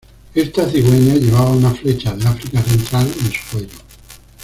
Esta cigüeña llevaba una flecha de África Central en su cuello.